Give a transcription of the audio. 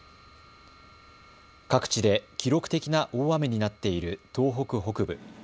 各地で記録的な大雨になっている東北北部。